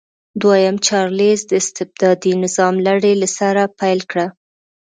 دویم چارلېز د استبدادي نظام لړۍ له سره پیل کړه.